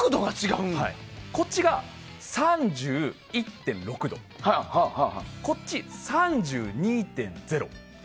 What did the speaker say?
こっちが３１．６度でこっちは３２．０度。